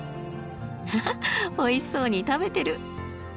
ハハッおいしそうに食べてる。